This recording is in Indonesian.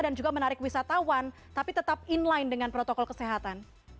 dan juga menarik wisatawan tapi tetap inline dengan protokol kesehatan